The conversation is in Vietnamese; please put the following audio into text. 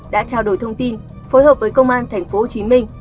đã trao đổi thông tin phối hợp với công an thành phố hồ chí minh